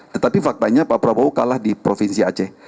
tetapi faktanya pak prabowo kalah di provinsi aceh